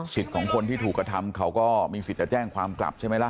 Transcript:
ของคนที่ถูกกระทำเขาก็มีสิทธิ์จะแจ้งความกลับใช่ไหมล่ะ